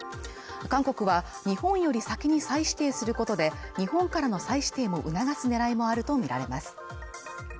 韓国は日本より先に再指定することで、日本からの再指定も促す狙いもあるとみられます。